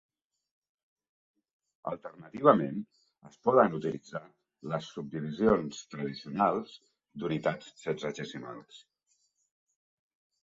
Alternativament, es poden utilitzar les subdivisions tradicionals d'unitats sexagesimals.